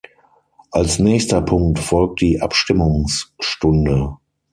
Als nächster Punkt folgt die Abstimmungsstunde.